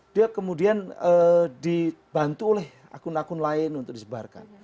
dia kemudian dibantu oleh akun akun lain untuk disebarkan